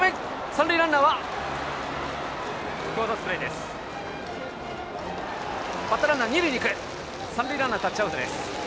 三塁ランナー、タッチアウトです。